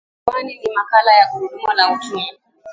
na hewani ni makala ya gurudumu la uchumi